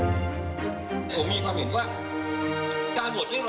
ผมมีความเห็นว่า